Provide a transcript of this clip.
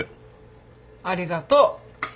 ありがとう。